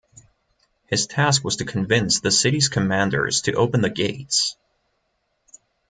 His task was to convince the city's commanders to open the gates.